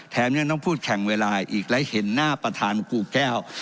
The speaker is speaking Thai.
ยังต้องพูดแข่งเวลาอีกและเห็นหน้าประธานกูแก้ว